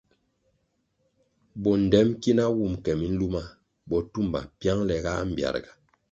Bondtem ki na wun ke miluma botumba piangle ga mbpiarga.